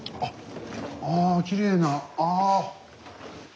あきれいなあ。